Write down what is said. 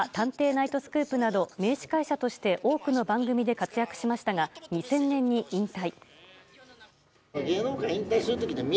ナイトスクープ」など名司会者として多くの番組で活躍しましたが２０００年に引退。